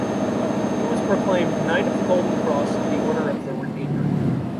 He was proclaimed "Knight of the Golden Cross of the Order of the Redeemer".